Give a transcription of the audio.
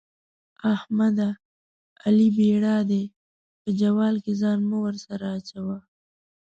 احمده؛ علي بېړا دی - په جوال کې ځان مه ورسره اچوه.